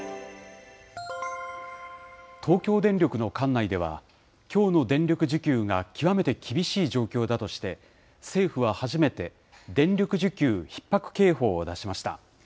東京電力の管内では、きょうの電力需給が極めて厳しい状況だとして、政府は初めて、電力需給ひっ迫警報を出しました。